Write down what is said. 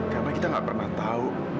karena kita gak pernah tahu